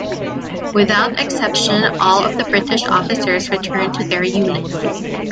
Without exception all of the British officers returned to their units.